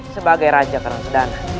sebagai raja karang sedana